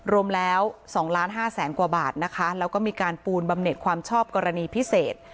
รวมแล้ว๒ล้านห้าแสนกว่าบาทนะคะแล้วก็มีการปูนบำเน็ตความชอบกรณีพิเศษ